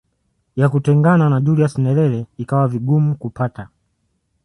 ya kutengana na Julius Nyerere ikawa vigumu kupata